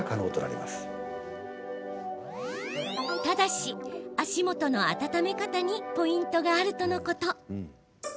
ただし、足元のあたため方にポイントがあるとのこと。